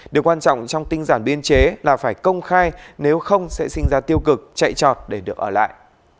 điều quan trọng trong tinh giản biên chế là phải công khai nếu không sẽ sinh ra tiêu cực chạy trọt để được ở lại